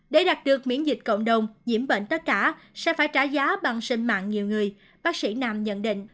để đạt được miễn dịch cộng đồng nhiễm bệnh tất cả sẽ phải trả giá bằng sinh mạng nhiều người bác sĩ nam nhận định